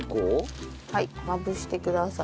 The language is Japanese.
まぶしてください。